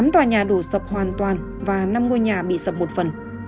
tám tòa nhà đổ sập hoàn toàn và năm ngôi nhà bị sập một phần